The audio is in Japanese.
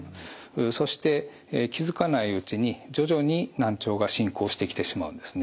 そして気付かないうちに徐々に難聴が進行してきてしまうんですね。